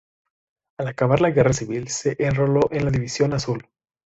Al acabar la Guerra Civil se enroló en la División Azul.